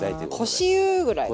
腰湯ぐらいかな。